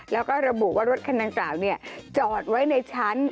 แล้วก็ระบุว่ารถคันดังกล่าวจอดไว้ในชั้น